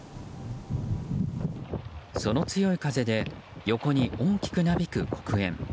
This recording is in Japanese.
その強い風で横に大きくなびく黒煙。